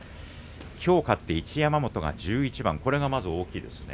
きょう勝って一山本が１１番これがまず、大きいですね